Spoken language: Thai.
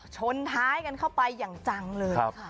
ชนท้ายกันเข้าไปอย่างจังเลยค่ะ